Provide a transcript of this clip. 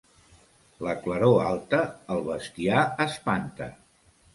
La claror alta el bestiar espanta.